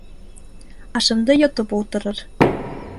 Ашымды йотоп ултырыр.